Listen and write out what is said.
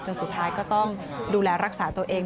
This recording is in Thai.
สุดท้ายก็ต้องดูแลรักษาตัวเอง